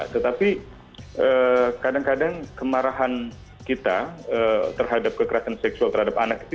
tetapi kadang kadang kemarahan kita terhadap kekerasan seksual terhadap anak itu